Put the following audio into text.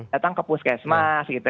datang ke puskesmas gitu